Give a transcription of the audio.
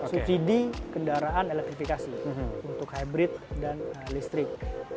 subsidi kendaraan elektrifikasi untuk hybrid dan listrik